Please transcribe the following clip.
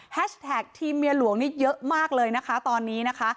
แท็กทีมเมียหลวงนี่เยอะมากเลยนะคะตอนนี้นะคะ